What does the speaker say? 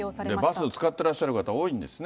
バスを使ってらっしゃる方、多いんですね。